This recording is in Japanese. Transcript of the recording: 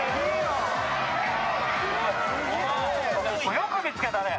よく見つけたね。